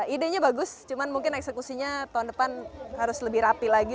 idenya bagus cuman mungkin eksekusinya tahun depan harus lebih rapi lagi